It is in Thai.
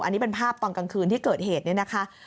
อันนี้เป็นภาพตอนกลางคืนที่เกิดเหตุเนี่ยนะคะ